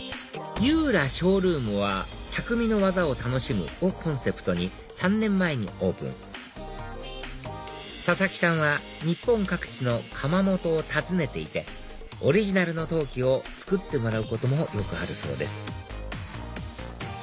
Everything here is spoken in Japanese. ＹｏｕＬＡショールームは「匠の技を楽しむ」をコンセプトに３年前にオープン佐々木さんは日本各地の窯元を訪ねていてオリジナルの陶器を作ってもらうこともよくあるそうです